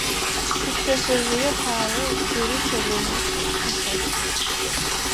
Сипшъэшъэжъые пае джыри щэлэмитӏу къысэт.